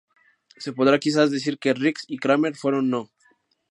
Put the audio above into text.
Se podría quizás decir que Riggs y Kramer fueron No.